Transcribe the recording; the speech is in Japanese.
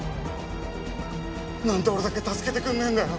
なんで俺だけ助けてくれねえんだよ！